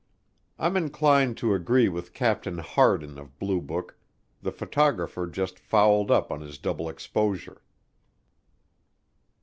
I'm inclined to agree with Captain Hardin of Blue Book the photographer just fouled up on his double exposure.